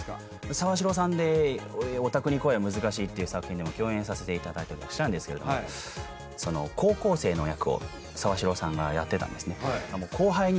沢城さんで『ヲタクに恋は難しい』っていう作品でも共演させて頂いたりもしたんですけれども高校生の役を沢城さんがやってたんですね。